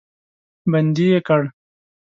بندي یې کړ.